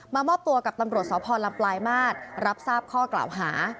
มอบตัวกับตำรวจสพลำปลายมาตรรับทราบข้อกล่าวหา